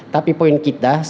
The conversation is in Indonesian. tapi poin kita adalah